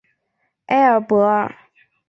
埃尔博尔。